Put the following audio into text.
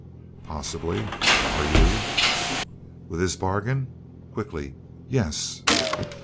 "Possibly. Are you?" "With his bargain?" quickly. "Yes."